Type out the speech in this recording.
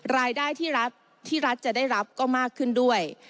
รายได้ที่รัฐที่รัฐจะได้รับก็มากขึ้นด้วย